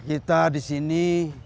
kita di sini